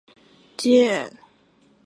基德号驱逐舰命名的军舰。